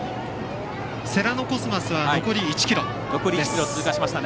世羅のコスマスは残り１ｋｍ。